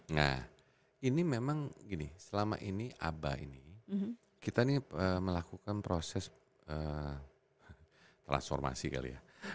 nah ini memang gini selama ini aba ini kita ini melakukan proses transformasi kali ya